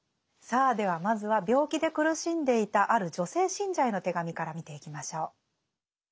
さあではまずは病気で苦しんでいたある女性信者への手紙から見ていきましょう。